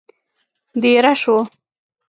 دېره شوو.